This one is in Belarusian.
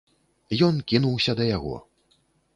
Ён кінуўся да яго.